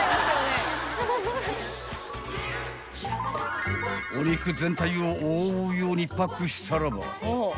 ［お肉全体を覆うようにパックしたらば］